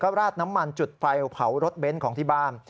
ราดน้ำมันจุดไฟเผารถเบนท์ของที่บ้าน